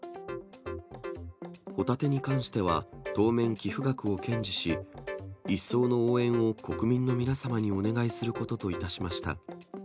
ホタテに関しては、当面、寄付額を堅持し、一層の応援を国民の皆様にお願いすることといたしました。